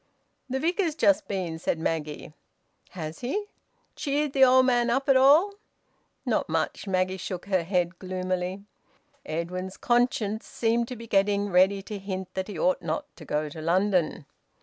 "The Vicar's just been," said Maggie. "Has he? ... Cheered the old man up at all?" "Not much." Maggie shook her head gloomily. Edwin's conscience seemed to be getting ready to hint that he ought not to go to London.